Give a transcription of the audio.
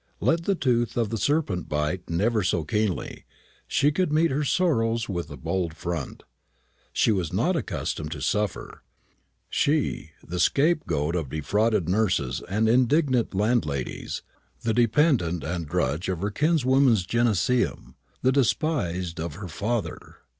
Let the tooth of the serpent bite never so keenly, she could meet her sorrows with a bold front. Was she not accustomed to suffer she, the scapegoat of defrauded nurses and indignant landladies, the dependent and drudge of her kinswoman's gynæceum, the despised of her father?